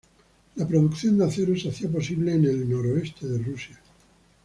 La producción de acero se hacía posible en el noroeste de Rusia.